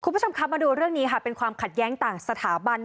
คุณผู้ชมครับมาดูเรื่องนี้ค่ะเป็นความขัดแย้งต่างสถาบัน